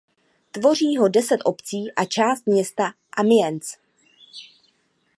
Tvoří ho deset obcí a část města Amiens.